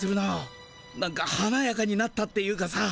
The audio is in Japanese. なんかはなやかになったっていうかさ。